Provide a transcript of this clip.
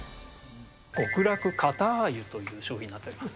極楽かたゆという商品になっております。